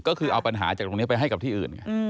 ก็คือเอาปัญหาจากตรงนี้ไปให้กับที่อื่นไง